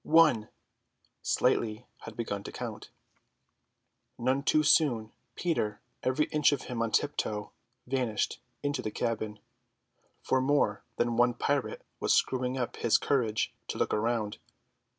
"One!" (Slightly had begun to count.) None too soon, Peter, every inch of him on tiptoe, vanished into the cabin; for more than one pirate was screwing up his courage to look round.